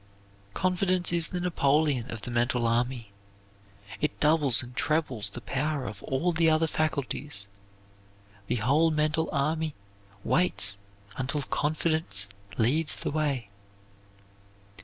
Confidence is the Napoleon of the mental army. It doubles and trebles the power of all the other faculties. The whole mental army waits until confidence leads the way.